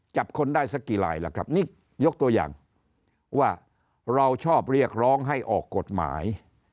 จับคนได้สักกี่ลายล่ะครับนี่ยกตัวอย่างว่าเราชอบเรียกร้องให้ออกกฎหมาย